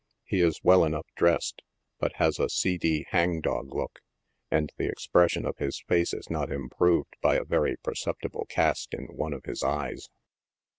He is well enough dressed, but has a seedy, hang dog look, and the expression of his face is not improve:! by a very perceptible cast in one of his eyes.